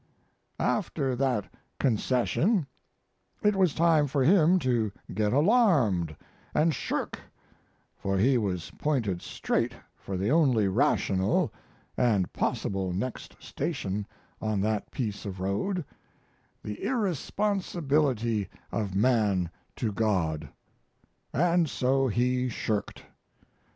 After that concession it was time for him to get alarmed & shirk for he was pointed straight for the only rational & possible next station on that piece of road the irresponsibility of man to God. And so he shirked.